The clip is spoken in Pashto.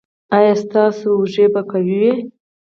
ایا ستاسو اوږې به قوي وي؟